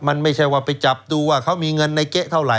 มันไม่ใช่ว่าไปจับดูว่าเขามีเงินในเก๊ะเท่าไ